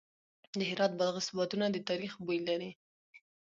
د هرات بادغیس بادونه د تاریخ بوی لري.